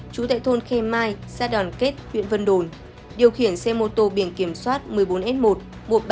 chú tại thôn khe mai xã đòn kết huyện vân đồn điều khiển xe mô tô biển kiểm soát một mươi bốn s một một trăm ba mươi tám xx